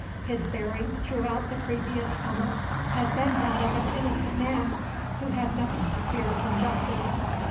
His bearing throughout the previous summer had been that of an innocent man, who had nothing to fear from justice.